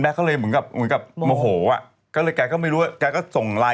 เพราะผู้หญิงเขาตกใจ